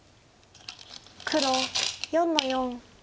黒４の四。